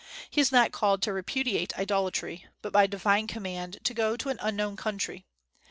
He is not called to repudiate idolatry, but by divine command to go to an unknown country.